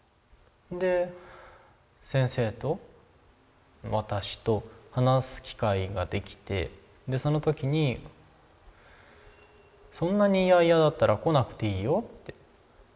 で先生と私と話す機会ができてその時にそんなに嫌々だったら来なくていいよって。